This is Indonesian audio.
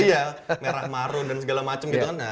iya merah marun dan segala macam